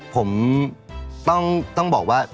ผมต้องบอกว่า